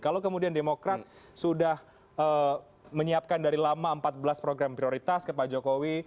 kalau kemudian demokrat sudah menyiapkan dari lama empat belas program prioritas ke pak jokowi